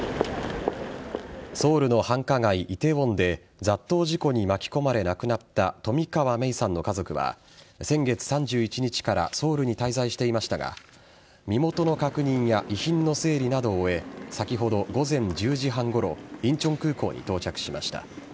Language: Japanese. ソウルの繁華街・梨泰院で雑踏事故に巻き込まれ亡くなった冨川芽生さんの家族は先月３１日からソウルに滞在していましたが身元の確認や遺品の整理などを終え先ほど午前１０時半ごろ仁川空港に到着しました。